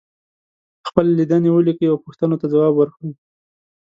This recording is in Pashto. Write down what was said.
خپلې لیدنې ولیکئ او پوښتنو ته ځواب ورکړئ.